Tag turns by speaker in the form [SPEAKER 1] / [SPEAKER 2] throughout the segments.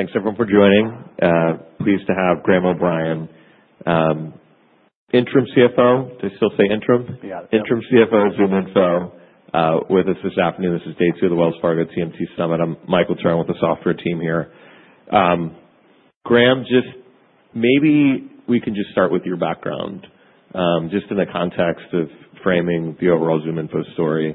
[SPEAKER 1] Thanks everyone for joining. Pleased to have Graham O'Brien, Interim CFO. Do I still say interim?
[SPEAKER 2] Yeah.
[SPEAKER 1] Interim CFO of ZoomInfo with us this afternoon. This is day two of the Wells Fargo TMT Summit. I'm Michael Turrin with the software team here. Graham, just maybe we can just start with your background, just in the context of framing the overall ZoomInfo story,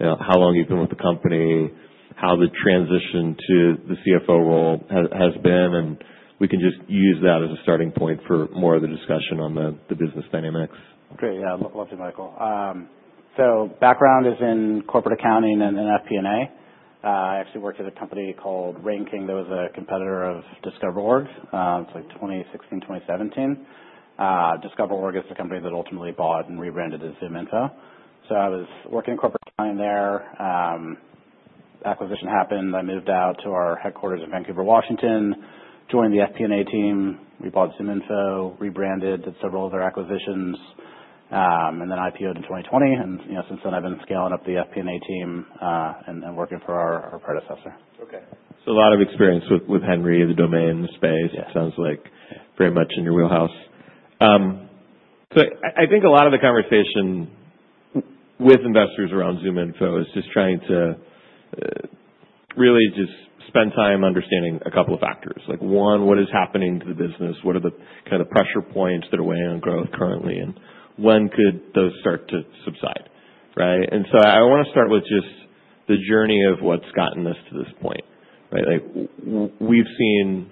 [SPEAKER 1] you know, how long you've been with the company, how the transition to the CFO role has been, and we can just use that as a starting point for more of the discussion on the business dynamics.
[SPEAKER 2] Great. Yeah. Love you, Michael, so background is in corporate accounting and FP&A. I actually worked at a company called RainKing. That was a competitor of DiscoverOrg. It's like 2016, 2017. DiscoverOrg is the company that ultimately bought and rebranded as ZoomInfo. So I was working in corporate accounting there. The acquisition happened. I moved out to our headquarters in Vancouver, Washington, joined the FP&A team. We bought ZoomInfo, rebranded, did several other acquisitions, and then IPO'd in 2020. You know, since then I've been scaling up the FP&A team and working for our predecessor.
[SPEAKER 1] Okay. So a lot of experience with Henry in the domain, the space.
[SPEAKER 2] Yeah.
[SPEAKER 1] Sounds like very much in your wheelhouse, so I think a lot of the conversation with investors around ZoomInfo is just trying to, really just spend time understanding a couple of factors. Like one, what is happening to the business? What are the kind of pressure points that are weighing on growth currently? And when could those start to subside, right, and so I wanna start with just the journey of what's gotten us to this point, right? Like we've seen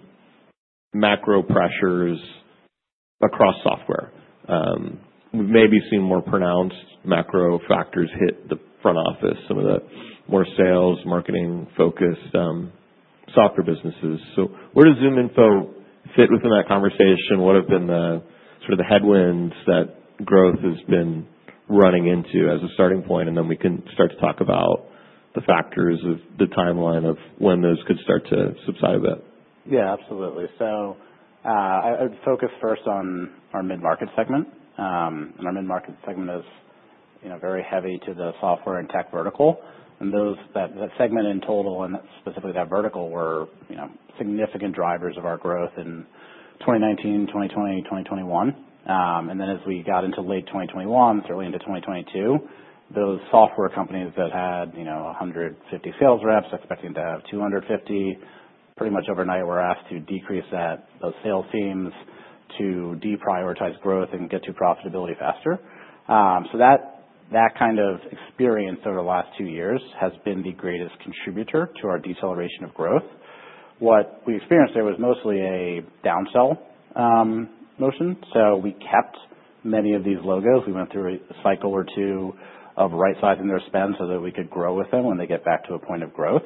[SPEAKER 1] macro pressures across software, we've maybe seen more pronounced macro factors hit the front office, some of the more sales marketing-focused, software businesses, so where does ZoomInfo fit within that conversation? What have been the sort of headwinds that growth has been running into as a starting point? And then we can start to talk about the factors of the timeline of when those could start to subside a bit.
[SPEAKER 2] Yeah. Absolutely. So, I'd focus first on our mid-market segment, and our mid-market segment is, you know, very heavy to the software and tech vertical. And those, that segment in total and that specifically that vertical were, you know, significant drivers of our growth in 2019, 2020, 2021. And then as we got into late 2021, early into 2022, those software companies that had, you know, 150 sales reps expecting to have 250, pretty much overnight were asked to decrease those sales teams to deprioritize growth and get to profitability faster. So that kind of experience over the last two years has been the greatest contributor to our deceleration of growth. What we experienced there was mostly a downsell motion. So we kept many of these logos. We went through a cycle or two of right-sizing their spend so that we could grow with them when they get back to a point of growth.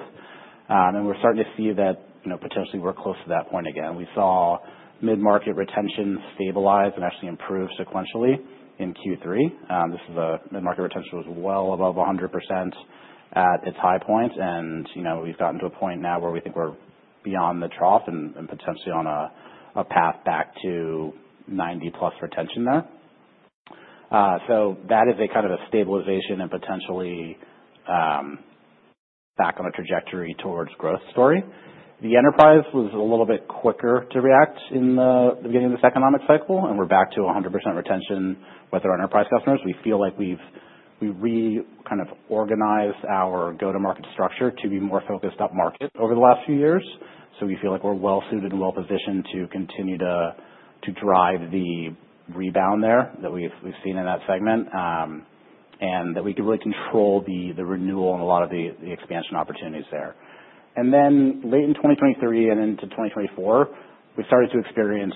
[SPEAKER 2] And we're starting to see that, you know, potentially we're close to that point again. We saw mid-market retention stabilize and actually improve sequentially in Q3. This is a mid-market retention was well above 100% at its high point. And, you know, we've gotten to a point now where we think we're beyond the trough and potentially on a path back to 90+% retention there. So that is a kind of a stabilization and potentially, back on a trajectory towards growth story. The enterprise was a little bit quicker to react in the beginning of this economic cycle, and we're back to 100% retention with our enterprise customers. We feel like we've kind of reorganized our go-to-market structure to be more focused up-market over the last few years. So we feel like we're well-suited and well-positioned to continue to drive the rebound there that we've seen in that segment, and that we can really control the renewal and a lot of the expansion opportunities there. And then late in 2023 and into 2024, we started to experience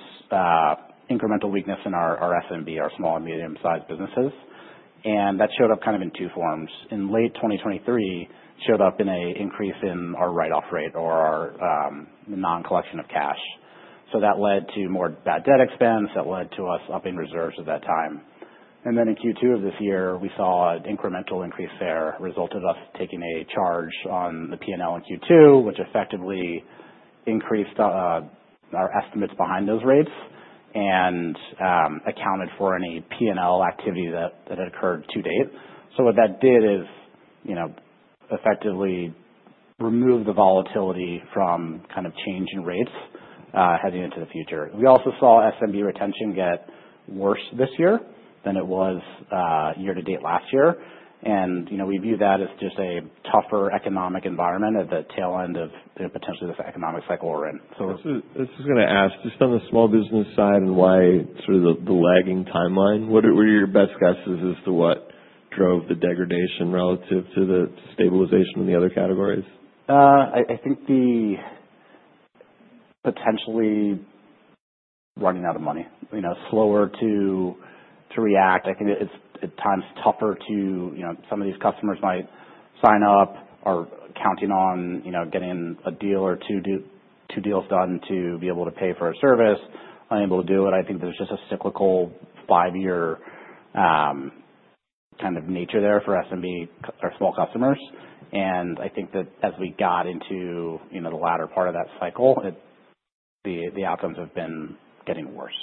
[SPEAKER 2] incremental weakness in our SMB, our small and medium-sized businesses. And that showed up kind of in two forms. In late 2023, it showed up in an increase in our write-off rate or the non-collection of cash. So that led to more bad debt expense. That led to us upping reserves at that time. And then in Q2 of this year, we saw an incremental increase there resulted us taking a charge on the P&L in Q2, which effectively increased our estimates behind those rates and accounted for any P&L activity that had occurred to date. So what that did is, you know, effectively remove the volatility from kind of change in rates heading into the future. We also saw SMB retention get worse this year than it was year to date last year. And, you know, we view that as just a tougher economic environment at the tail end of, you know, potentially this economic cycle we're in. So.
[SPEAKER 1] This is gonna ask just on the small business side and why sort of the lagging timeline. What are your best guesses as to what drove the degradation relative to the stabilization in the other categories?
[SPEAKER 2] I think the potentially running out of money, you know, slower to react. I think it's, at times, tougher to, you know, some of these customers might sign up or counting on, you know, getting a deal or two deals done to be able to pay for a service, unable to do it. I think there's just a cyclical five-year, kind of nature there for SMBs or small customers. I think that as we got into, you know, the latter part of that cycle, the outcomes have been getting worse.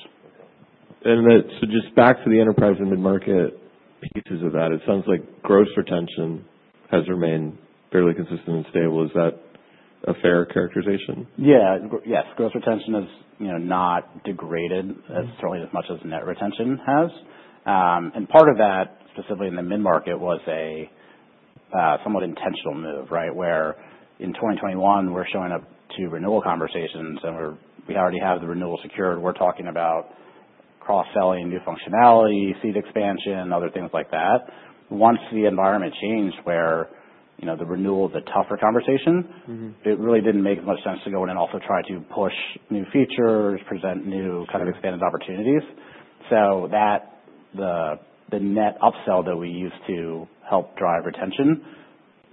[SPEAKER 1] Okay. So just back to the enterprise and mid-market pieces of that, it sounds like gross retention has remained fairly consistent and stable. Is that a fair characterization?
[SPEAKER 2] Yeah. Yes. Gross retention has, you know, not degraded as certainly as much as net retention has, and part of that, specifically in the mid-market, was a somewhat intentional move, right, where in 2021, we're showing up to renewal conversations and we're, we already have the renewal secured. We're talking about cross-selling new functionality, seat expansion, other things like that. Once the environment changed where, you know, the renewal is a tougher conversation.
[SPEAKER 1] Mm-hmm.
[SPEAKER 2] It really didn't make much sense to go in and also try to push new features, present new kind of expanded opportunities. So that, the net upsell that we used to help drive retention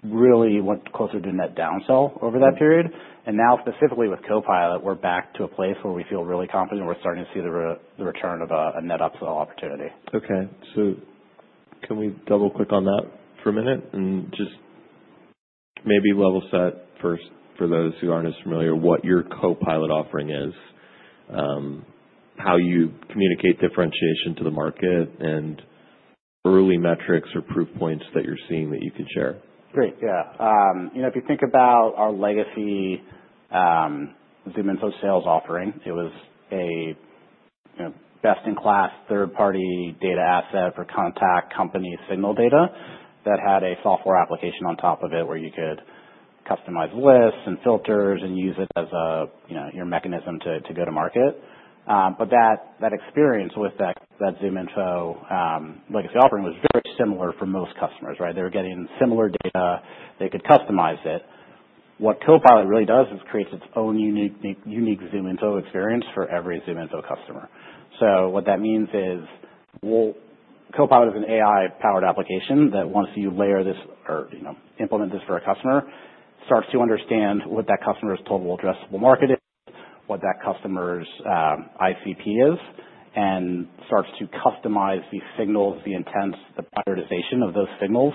[SPEAKER 2] really went closer to net downsell over that period. And now, specifically with Copilot, we're back to a place where we feel really confident. We're starting to see the return of a net upsell opportunity.
[SPEAKER 1] Okay. So can we double-click on that for a minute and just maybe level set first for those who aren't as familiar what your Copilot offering is, how you communicate differentiation to the market, and early metrics or proof points that you're seeing that you can share?
[SPEAKER 2] Great. Yeah. You know, if you think about our legacy ZoomInfo Sales offering, it was a, you know, best-in-class third-party data asset for contact company signal data that had a software application on top of it where you could customize lists and filters and use it as a, you know, your mechanism to go to market, but that experience with that ZoomInfo legacy offering was very similar for most customers, right? They were getting similar data. They could customize it. What Copilot really does is creates its own unique ZoomInfo experience for every ZoomInfo customer. So what that means is, well, Copilot is an AI-powered application that once you layer this or, you know, implement this for a customer, starts to understand what that customer's total addressable market is, what that customer's ICP is, and starts to customize the signals, the intents, the prioritization of those signals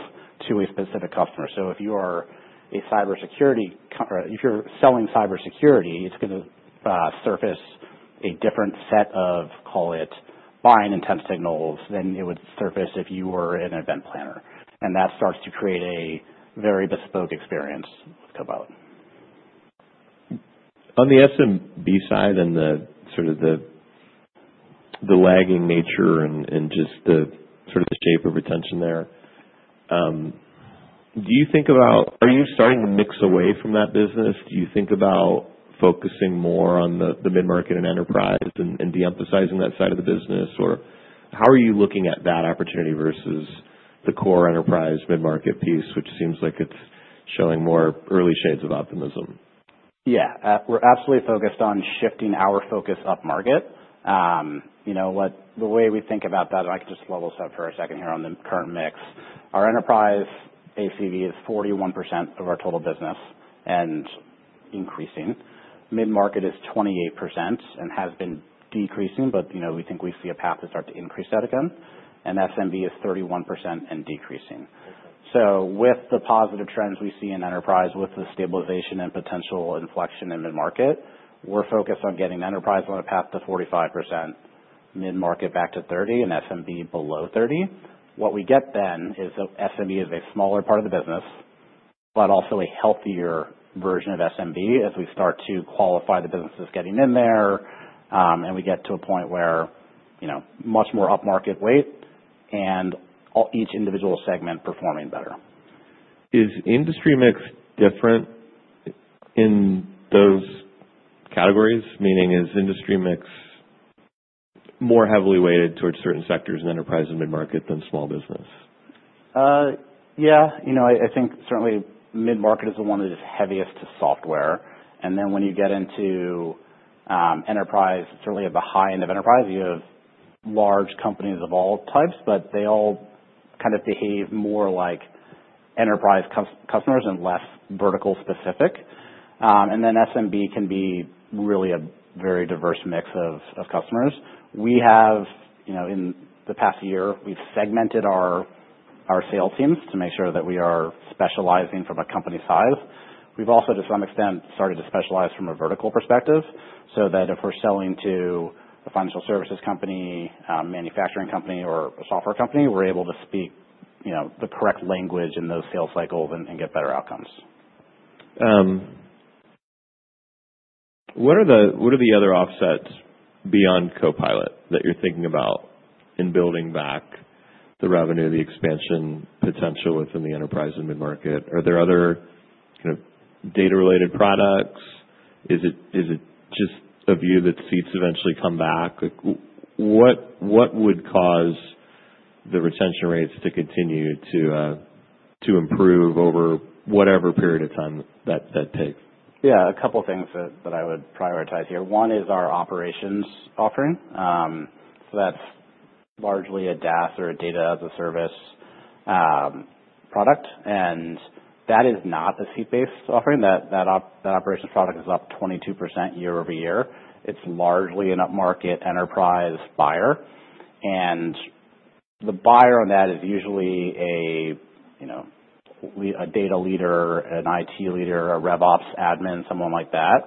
[SPEAKER 2] to a specific customer. So if you are a cybersecurity company or if you're selling cybersecurity, it's gonna surface a different set of, call it, buying intent signals than it would surface if you were an event planner. And that starts to create a very bespoke experience with Copilot.
[SPEAKER 1] On the SMB side and the sort of lagging nature and just the sort of shape of retention there, do you think about, are you starting to mix away from that business? Do you think about focusing more on the mid-market and enterprise and de-emphasizing that side of the business? Or how are you looking at that opportunity versus the core enterprise mid-market piece, which seems like it's showing more early shades of optimism?
[SPEAKER 2] Yeah. We're absolutely focused on shifting our focus up-market. You know, what the way we think about that, and I can just level set for a second here on the current mix. Our enterprise ACV is 41% of our total business and increasing. Mid-market is 28% and has been decreasing, but, you know, we think we see a path to start to increase that again, and SMB is 31% and decreasing.
[SPEAKER 1] Okay.
[SPEAKER 2] With the positive trends we see in enterprise with the stabilization and potential inflection in mid-market, we're focused on getting enterprise on a path to 45%, mid-market back to 30%, and SMB below 30%. What we get then is that SMB is a smaller part of the business but also a healthier version of SMB as we start to qualify the businesses getting in there, and we get to a point where, you know, much more up-market weight and each individual segment performing better.
[SPEAKER 1] Is industry mix different in those categories? Meaning, is industry mix more heavily weighted towards certain sectors in enterprise and mid-market than small business?
[SPEAKER 2] Yeah. You know, I think certainly mid-market is the one that is heaviest to software. And then when you get into enterprise, certainly at the high end of enterprise, you have large companies of all types, but they all kind of behave more like enterprise customers and less vertical-specific. And then SMB can be really a very diverse mix of customers. We have, you know, in the past year, we've segmented our sales teams to make sure that we are specializing from a company size. We've also, to some extent, started to specialize from a vertical perspective so that if we're selling to a financial services company, manufacturing company, or a software company, we're able to speak, you know, the correct language in those sales cycles and get better outcomes.
[SPEAKER 1] What are the other offsets beyond Copilot that you're thinking about in building back the revenue, the expansion potential within the enterprise and mid-market? Are there other kind of data-related products? Is it just a view that seats eventually come back? Like what would cause the retention rates to continue to improve over whatever period of time that take?
[SPEAKER 2] Yeah. A couple of things that I would prioritize here. One is our operations offering. So that's largely a DaaS or a data as a service product. And that is not a seat-based offering. That operations product is up 22% year-over-year. It's largely an up-market enterprise buyer. And the buyer on that is usually a, you know, a data leader, an IT leader, a RevOps admin, someone like that.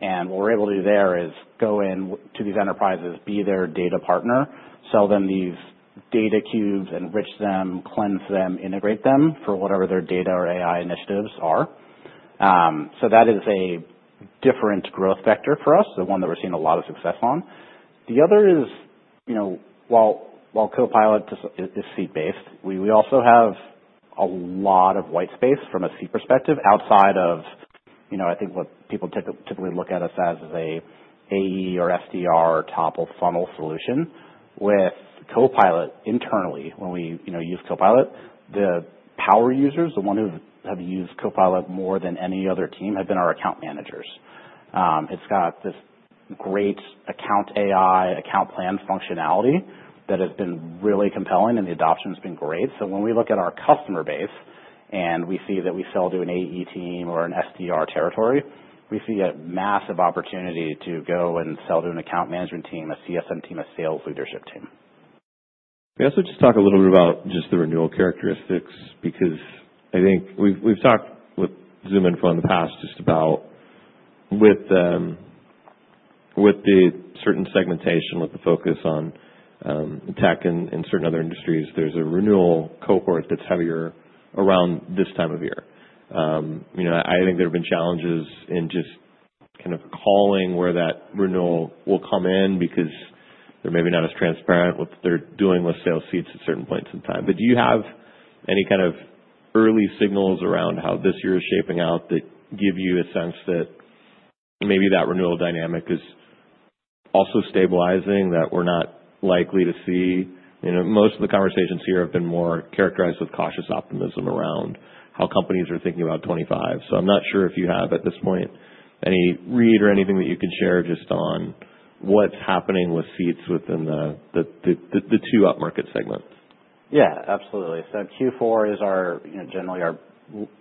[SPEAKER 2] And what we're able to do there is go in to these enterprises, be their data partner, sell them these data cubes, enrich them, cleanse them, integrate them for whatever their data or AI initiatives are. So that is a different growth vector for us, the one that we're seeing a lot of success on. The other is, you know, while Copilot is seat-based, we also have a lot of white space from a seat perspective outside of, you know, I think what people typically look at us as is a AE or SDR top of funnel solution. With Copilot internally, when we, you know, use Copilot, the power users, the ones who have used Copilot more than any other team, have been our account managers. It's got this great account AI, account plan functionality that has been really compelling, and the adoption has been great. So when we look at our customer base and we see that we sell to an AE team or an SDR territory, we see a massive opportunity to go and sell to an account management team, a CSM team, a sales leadership team.
[SPEAKER 1] We also just talk a little bit about just the renewal characteristics because I think we've talked with ZoomInfo in the past just about with the certain segmentation, with the focus on tech and certain other industries. There's a renewal cohort that's heavier around this time of year. You know, I think there have been challenges in just kind of calling where that renewal will come in because they're maybe not as transparent with what they're doing with sales seats at certain points in time. But do you have any kind of early signals around how this year is shaping out that give you a sense that maybe that renewal dynamic is also stabilizing, that we're not likely to see? You know, most of the conversations here have been more characterized with cautious optimism around how companies are thinking about 2025. I'm not sure if you have at this point any read or anything that you can share just on what's happening with seats within the two up-market segments.
[SPEAKER 2] Yeah. Absolutely. So Q4 is our, you know, generally our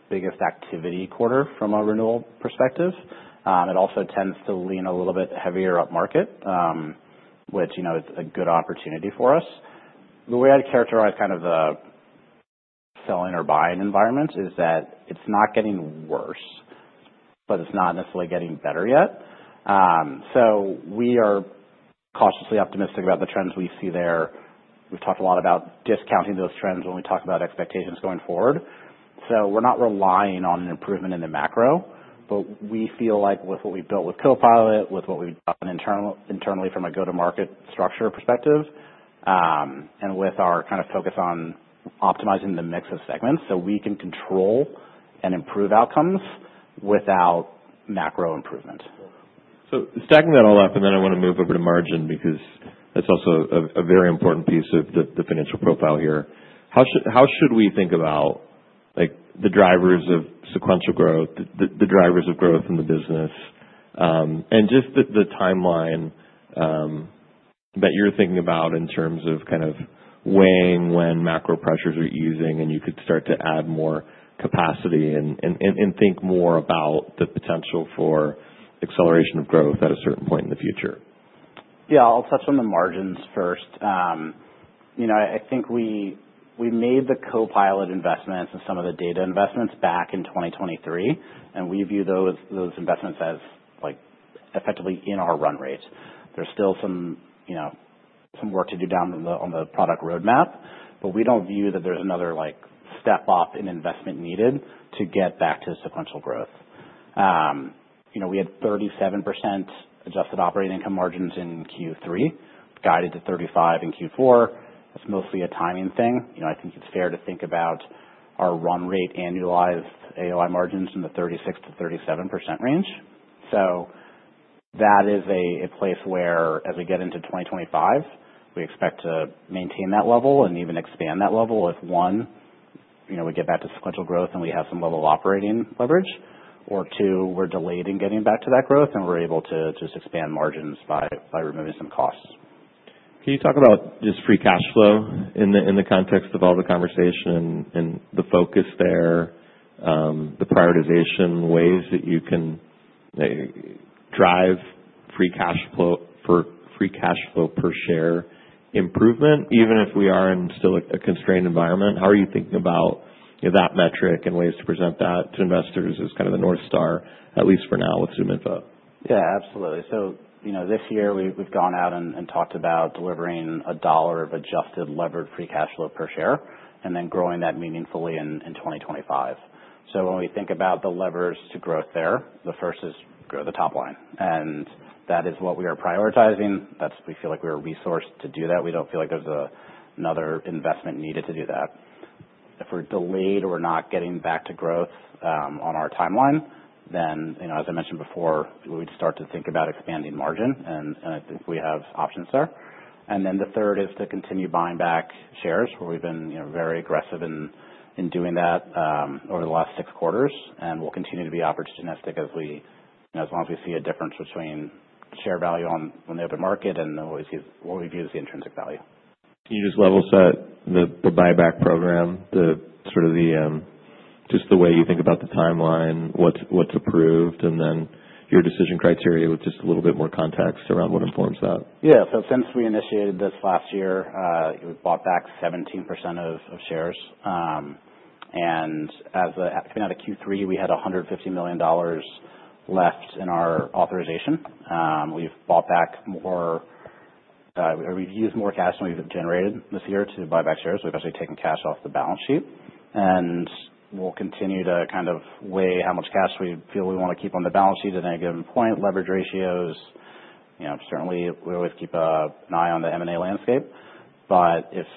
[SPEAKER 2] biggest activity quarter from a renewal perspective. It also tends to lean a little bit heavier up-market, which, you know, is a good opportunity for us. The way I'd characterize kind of the selling or buying environment is that it's not getting worse, but it's not necessarily getting better yet, so we are cautiously optimistic about the trends we see there. We've talked a lot about discounting those trends when we talk about expectations going forward. We're not relying on an improvement in the macro, but we feel like with what we built with Copilot, with what we've done internal, internally from a go-to-market structure perspective, and with our kind of focus on optimizing the mix of segments so we can control and improve outcomes without macro improvement.
[SPEAKER 1] So stacking that all up, and then I wanna move over to margin because that's also a very important piece of the financial profile here. How should we think about, like, the drivers of sequential growth, the drivers of growth in the business, and just the timeline that you're thinking about in terms of kind of weighing when macro pressures are easing and you could start to add more capacity and think more about the potential for acceleration of growth at a certain point in the future?
[SPEAKER 2] Yeah. I'll touch on the margins first. You know, I think we made the Copilot investments and some of the data investments back in 2023, and we view those investments as, like, effectively in our run rate. There's still some, you know, some work to do down on the product roadmap, but we don't view that there's another, like, step-up in investment needed to get back to sequential growth. You know, we had 37% adjusted operating income margins in Q3, guided to 35% in Q4. It's mostly a timing thing. You know, I think it's fair to think about our run rate annualized AOI margins in the 36%-37% range. So that is a place where, as we get into 2025, we expect to maintain that level and even expand that level if, one, you know, we get back to sequential growth and we have some level of operating leverage, or two, we're delayed in getting back to that growth and we're able to just expand margins by removing some costs.
[SPEAKER 1] Can you talk about just free cash flow in the context of all the conversation and the focus there, the prioritization ways that you can drive free cash flow for free cash flow per share improvement, even if we are in still a constrained environment? How are you thinking about, you know, that metric and ways to present that to investors as kind of the North Star, at least for now with ZoomInfo?
[SPEAKER 2] Yeah. Absolutely. So, you know, this year we've gone out and talked about delivering $1 of adjusted levered free cash flow per share and then growing that meaningfully in 2025. So when we think about the levers to growth there, the first is grow the top line. And that is what we are prioritizing. That's, we feel like we are resourced to do that. We don't feel like there's another investment needed to do that. If we're delayed or we're not getting back to growth, on our timeline, then, you know, as I mentioned before, we'd start to think about expanding margin, and I think we have options there. And then the third is to continue buying back shares, where we've been, you know, very aggressive in doing that, over the last six quarters. We'll continue to be opportunistic as we, you know, as long as we see a difference between share value on, on the open market and what we see is what we view as the intrinsic value.
[SPEAKER 1] Can you just level set the buyback program, sort of, just the way you think about the timeline, what's approved, and then your decision criteria with just a little bit more context around what informs that?
[SPEAKER 2] Yeah. So since we initiated this last year, we bought back 17% of shares. And as of coming out of Q3, we had $150 million left in our authorization. We've bought back more, or we've used more cash than we've generated this year to buy back shares. We've actually taken cash off the balance sheet. We'll continue to kind of weigh how much cash we feel we wanna keep on the balance sheet at any given point. Leverage ratios, you know, certainly we always keep an eye on the M&A landscape. If,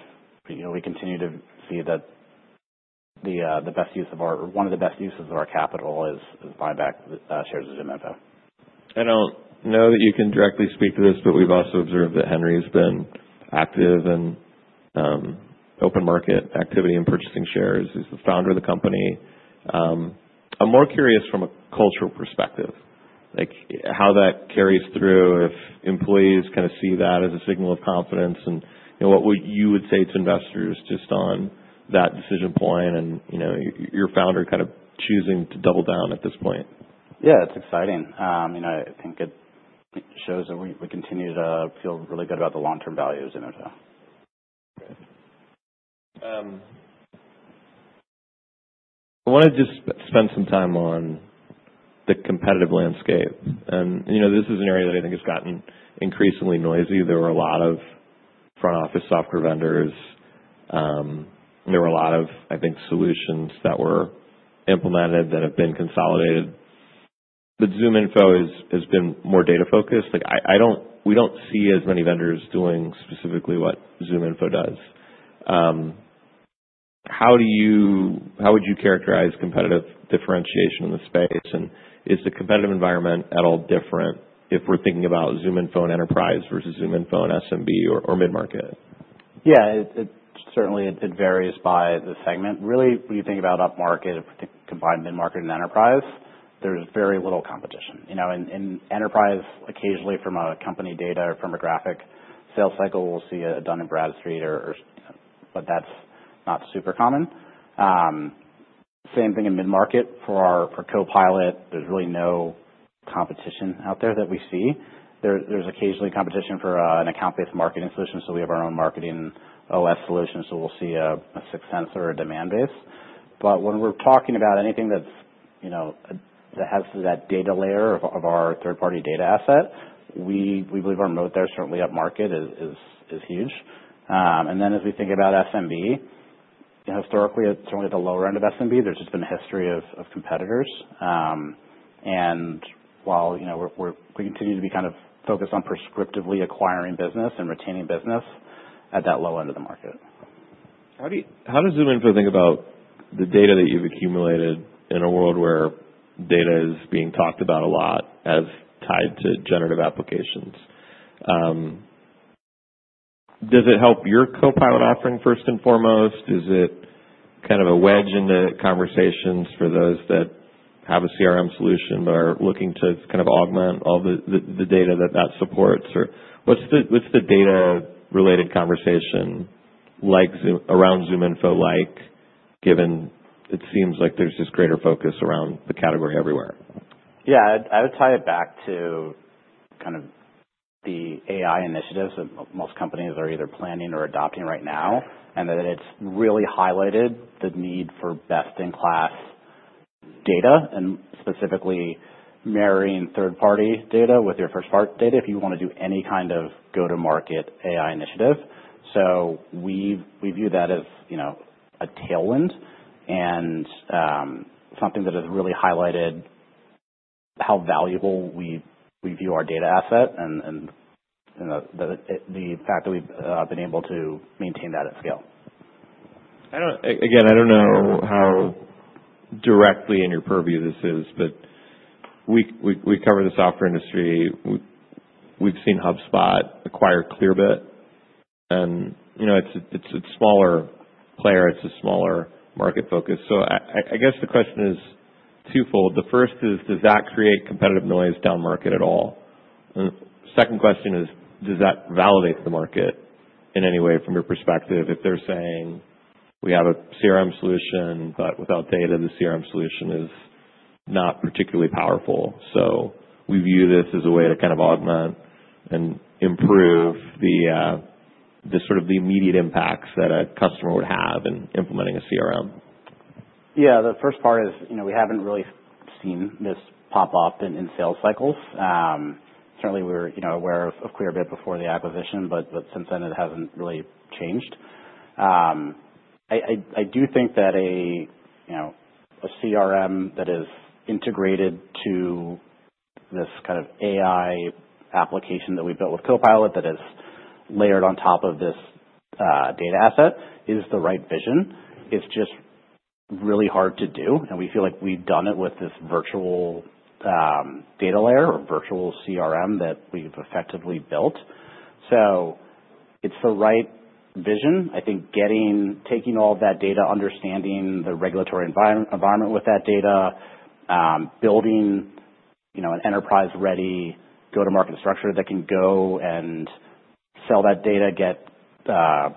[SPEAKER 2] you know, we continue to see that the best use of our or one of the best uses of our capital is buying back shares of ZoomInfo.
[SPEAKER 1] I don't know that you can directly speak to this, but we've also observed that Henry has been active in open market activity and purchasing shares. He's the Founder of the company. I'm more curious from a cultural perspective, like, how that carries through if employees kind of see that as a signal of confidence and, you know, what would you say to investors just on that decision point and, you know, your Founder kind of choosing to double down at this point?
[SPEAKER 2] Yeah. It's exciting. You know, I think it shows that we continue to feel really good about the long-term value of ZoomInfo.
[SPEAKER 1] Great. I wanna just spend some time on the competitive landscape. And, you know, this is an area that I think has gotten increasingly noisy. There were a lot of front-office software vendors. There were a lot of, I think, solutions that were implemented that have been consolidated. But ZoomInfo has been more data-focused. Like, I don't, we don't see as many vendors doing specifically what ZoomInfo does. How would you characterize competitive differentiation in the space? And is the competitive environment at all different if we're thinking about ZoomInfo and enterprise versus ZoomInfo and SMB or mid-market?
[SPEAKER 2] Yeah. It certainly varies by the segment. Really, when you think about up-market, if we think combined mid-market and enterprise, there's very little competition. You know, in enterprise, occasionally from a company data or firmographic sales cycle, we'll see a Dun & Bradstreet or, you know, but that's not super common. Same thing in mid-market for our Copilot. There's really no competition out there that we see. There's occasionally competition for an account-based marketing solution. So we have our own MarketingOS solution. So we'll see a 6sense or a Demandbase. But when we're talking about anything that's, you know, that has that data layer of our third-party data asset, we believe our moat there certainly up-market is huge. And then as we think about SMB, historically, it's certainly at the lower end of SMB. There's just been a history of competitors, and while, you know, we continue to be kind of focused on prescriptively acquiring business and retaining business at that low end of the market.
[SPEAKER 1] How does ZoomInfo think about the data that you've accumulated in a world where data is being talked about a lot as tied to generative applications? Does it help your Copilot offering first and foremost? Is it kind of a wedge in the conversations for those that have a CRM solution but are looking to kind of augment all the data that supports? Or what's the data-related conversation like around ZoomInfo, given it seems like there's just greater focus around the category everywhere?
[SPEAKER 2] Yeah. I would tie it back to kind of the AI initiatives that most companies are either planning or adopting right now and that it's really highlighted the need for best-in-class data and specifically marrying third-party data with your first-party data if you wanna do any kind of go-to-market AI initiative. So we view that as, you know, a tailwind and something that has really highlighted how valuable we view our data asset and the fact that we've been able to maintain that at scale.
[SPEAKER 1] I don't know how directly in your purview this is, but we cover the software industry. We've seen HubSpot acquire Clearbit. And, you know, it's a smaller player. It's a smaller market focus. So I guess the question is twofold. The first is, does that create competitive noise down-market at all? And the second question is, does that validate the market in any way from your perspective if they're saying, "We have a CRM solution, but without data, the CRM solution is not particularly powerful"? So we view this as a way to kind of augment and improve the sort of immediate impacts that a customer would have in implementing a CRM.
[SPEAKER 2] Yeah. The first part is, you know, we haven't really seen this pop up in sales cycles. Certainly, we were, you know, aware of Clearbit before the acquisition, but since then, it hasn't really changed. I do think that a, you know, a CRM that is integrated to this kind of AI application that we built with Copilot that is layered on top of this data asset is the right vision. It's just really hard to do, and we feel like we've done it with this virtual data layer or virtual CRM that we've effectively built, so it's the right vision. I think taking all of that data, understanding the regulatory environment with that data, building, you know, an enterprise-ready go-to-market structure that can go and sell that data, get,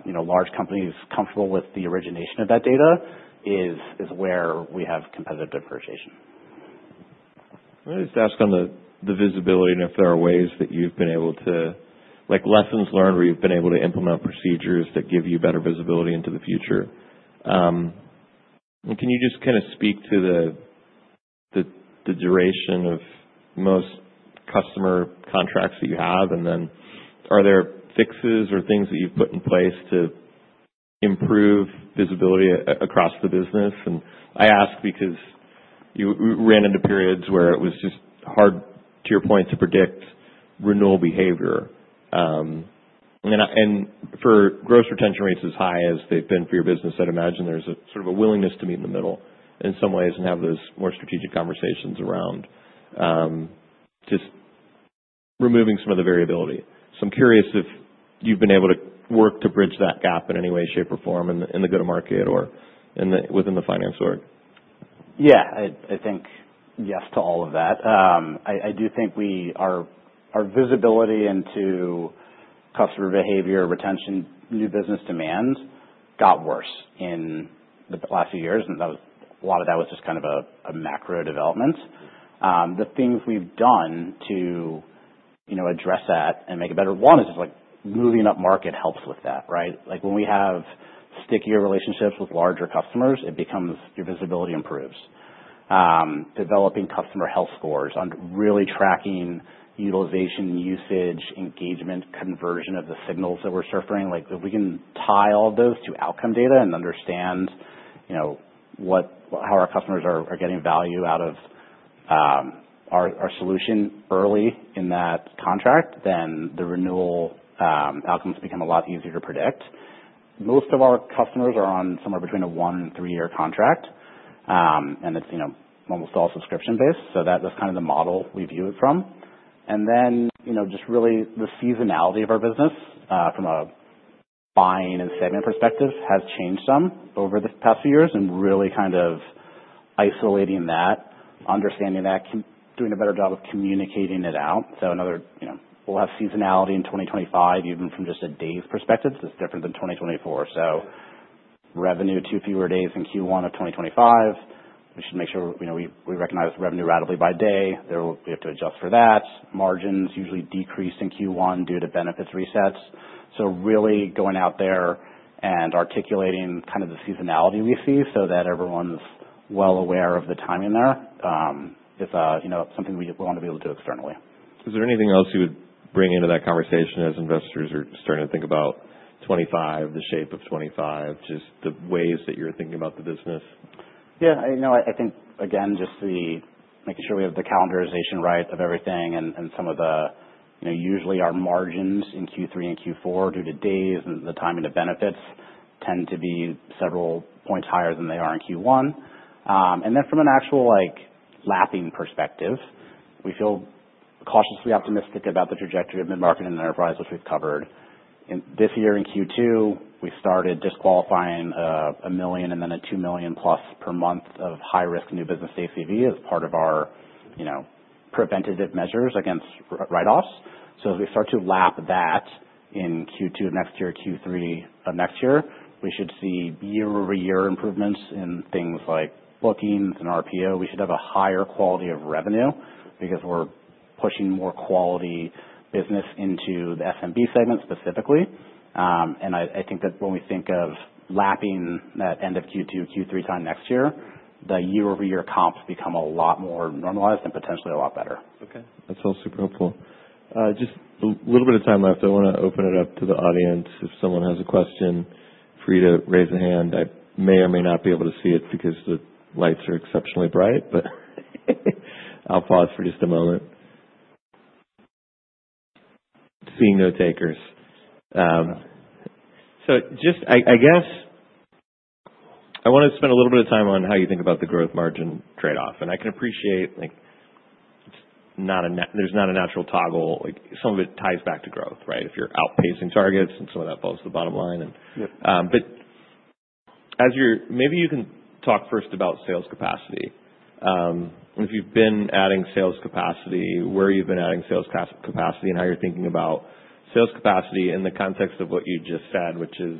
[SPEAKER 2] you know, large companies comfortable with the origination of that data is where we have competitive differentiation.
[SPEAKER 1] I just ask on the visibility and if there are ways that you've been able to, like, lessons learned where you've been able to implement procedures that give you better visibility into the future. And can you just kind of speak to the duration of most customer contracts that you have? And then are there fixes or things that you've put in place to improve visibility across the business? And I ask because you, we ran into periods where it was just hard, to your point, to predict renewal behavior. And for gross retention rates as high as they've been for your business, I'd imagine there's a sort of a willingness to meet in the middle in some ways and have those more strategic conversations around just removing some of the variability. I'm curious if you've been able to work to bridge that gap in any way, shape, or form in the go-to-market or within the finance org.
[SPEAKER 2] Yeah. I think yes to all of that. I do think our visibility into customer behavior, retention, new business demand got worse in the last few years. That was a lot of just kind of a macro development. The things we've done to, you know, address that and make it better, one is just, like, moving up-market helps with that, right? Like, when we have stickier relationships with larger customers, it becomes our visibility improves. Developing customer health scores and really tracking utilization, usage, engagement, conversion of the signals that we're serving. Like, if we can tie all of those to outcome data and understand, you know, what, how our customers are getting value out of our solution early in that contract, then the renewal outcomes become a lot easier to predict. Most of our customers are on somewhere between a one and three-year contract, and it's, you know, almost all subscription-based. So that, that's kind of the model we view it from, and then, you know, just really the seasonality of our business, from a buying and segment perspective has changed some over the past few years and really kind of isolating that, understanding that, doing a better job of communicating it out, so another, you know, we'll have seasonality in 2025, even from just a day's perspective. It's different than 2024. So revenue two fewer days in Q1 of 2025. We should make sure, you know, we recognize revenue ratably by day. We will have to adjust for that. Margins usually decrease in Q1 due to benefits resets. So, really going out there and articulating kind of the seasonality we see so that everyone's well aware of the timing there is, you know, something we wanna be able to do externally.
[SPEAKER 1] Is there anything else you would bring into that conversation as investors are starting to think about 2025, the shape of 2025, just the ways that you're thinking about the business?
[SPEAKER 2] Yeah. You know, I think, again, just the making sure we have the calendarization right of everything and some of the, you know, usually our margins in Q3 and Q4 due to days and the timing of benefits tend to be several points higher than they are in Q1. And then from an actual, like, lapping perspective, we feel cautiously optimistic about the trajectory of mid-market and enterprise, which we've covered. In this year, in Q2, we started disqualifying a $1 million and then a $2+ million per month of high-risk new business ACV as part of our, you know, preventative measures against write-offs. So as we start to lap that in Q2 of next year, Q3 of next year, we should see year-over-year improvements in things like bookings and RPO. We should have a higher quality of revenue because we're pushing more quality business into the SMB segment specifically. And I think that when we think of lapping that end of Q2, Q3 time next year, the year-over-year comps become a lot more normalized and potentially a lot better.
[SPEAKER 1] Okay. That's all super helpful. Just a little bit of time left. I wanna open it up to the audience. If someone has a question for you to raise a hand, I may or may not be able to see it because the lights are exceptionally bright, but I'll pause for just a moment. Seeing no takers, so just I, I guess I wanna spend a little bit of time on how you think about the growth margin trade-off. And I can appreciate, like, it's not a, there's not a natural toggle. Like, some of it ties back to growth, right? If you're outpacing targets and some of that falls to the bottom line. And.
[SPEAKER 2] Yep.
[SPEAKER 1] But as you're, maybe you can talk first about sales capacity. If you've been adding sales capacity, where you've been adding sales capacity, and how you're thinking about sales capacity in the context of what you just said, which is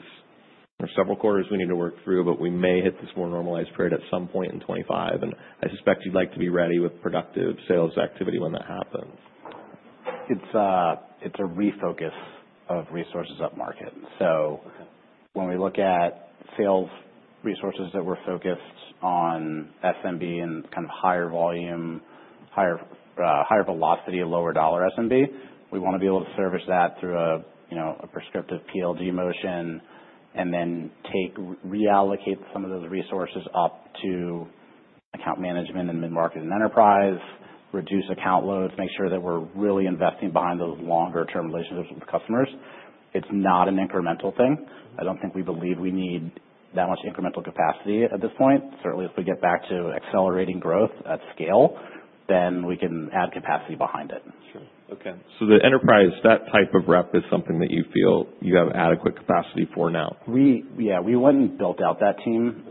[SPEAKER 1] there are several quarters we need to work through, but we may hit this more normalized period at some point in 2025. And I suspect you'd like to be ready with productive sales activity when that happens.
[SPEAKER 2] It's a refocus of resources up-market. So when we look at sales resources that were focused on SMB and kind of higher volume, higher velocity, lower dollar SMB, we wanna be able to service that through a you know prescriptive PLG motion and then take, reallocate some of those resources up to account management and mid-market and enterprise, reduce account loads, make sure that we're really investing behind those longer-term relationships with customers. It's not an incremental thing. I don't think we believe we need that much incremental capacity at this point. Certainly, if we get back to accelerating growth at scale, then we can add capacity behind it.
[SPEAKER 1] Sure. Okay. So the enterprise, that type of rep is something that you feel you have adequate capacity for now?
[SPEAKER 2] We went and built out that team,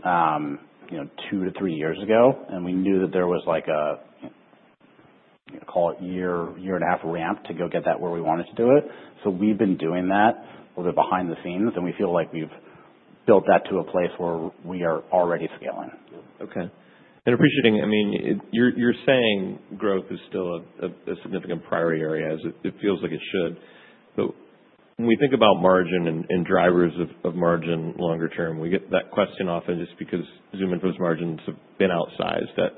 [SPEAKER 2] you know, two to three years ago, and we knew that there was, like, you know, call it year, year-and-a-half ramp to go get that where we wanted to do it, so we've been doing that a little bit behind the scenes, and we feel like we've built that to a place where we are already scaling.
[SPEAKER 1] Okay. And appreciating, I mean, you're saying growth is still a significant priority area as it feels like it should. But when we think about margin and drivers of margin longer-term, we get that question often just because ZoomInfo's margins have been outsized at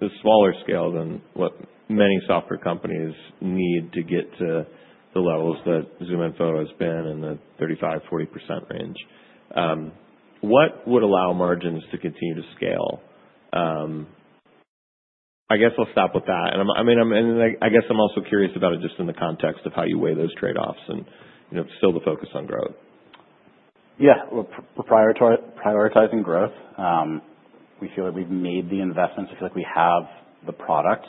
[SPEAKER 1] the smaller scale than what many software companies need to get to the levels that ZoomInfo has been in the 35%-40% range. What would allow margins to continue to scale? I guess I'll stop with that. And I mean, I guess I'm also curious about it just in the context of how you weigh those trade-offs and, you know, still the focus on growth.
[SPEAKER 2] Yeah. Well, prioritizing growth. We feel like we've made the investments. I feel like we have the product,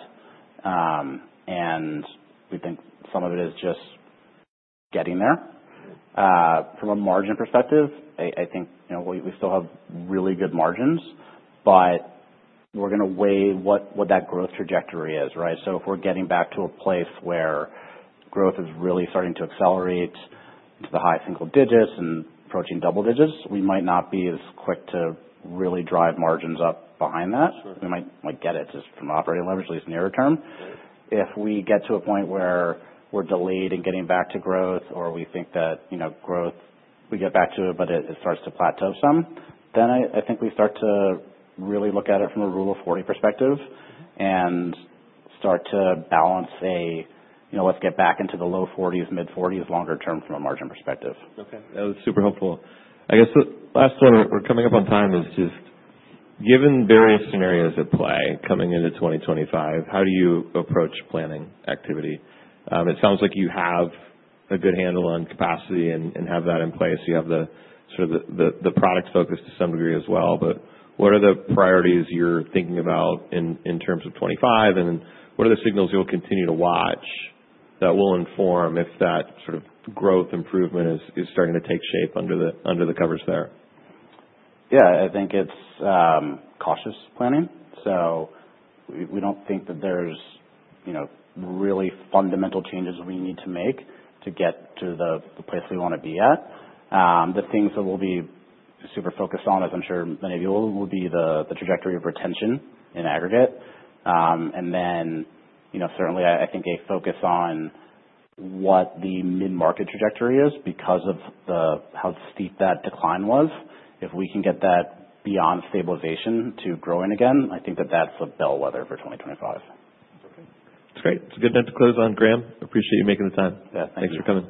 [SPEAKER 2] and we think some of it is just getting there. From a margin perspective, I think, you know, we still have really good margins, but we're gonna weigh what that growth trajectory is, right? So if we're getting back to a place where growth is really starting to accelerate into the high single digits and approaching double digits, we might not be as quick to really drive margins up behind that.
[SPEAKER 1] Sure.
[SPEAKER 2] We might, like, get it just from operating leverage, at least nearer term. If we get to a point where we're delayed in getting back to growth or we think that, you know, growth we get back to it, but it, it starts to plateau some, then I, I think we start to really look at it from a Rule of 40 perspective and start to balance a, you know, let's get back into the low 40s, mid-40s longer-term from a margin perspective.
[SPEAKER 1] Okay. That was super helpful. I guess the last one we're coming up on time is just given various scenarios at play coming into 2025, how do you approach planning activity? It sounds like you have a good handle on capacity and have that in place. You have the sort of the product focus to some degree as well. But what are the priorities you're thinking about in terms of 2025? And then what are the signals you'll continue to watch that will inform if that sort of growth improvement is starting to take shape under the covers there?
[SPEAKER 2] Yeah. I think it's cautious planning. So we don't think that there's, you know, really fundamental changes we need to make to get to the place we wanna be at. The things that we'll be super focused on, as I'm sure many of you will, will be the trajectory of retention in aggregate. And then, you know, certainly, I think a focus on what the mid-market trajectory is because of how steep that decline was. If we can get that beyond stabilization to growing again, I think that that's a bellwether for 2025.
[SPEAKER 1] Okay. That's great. It's a good note to close on, Graham. Appreciate you making the time.
[SPEAKER 2] Yeah. Thank you.
[SPEAKER 1] Thanks for coming.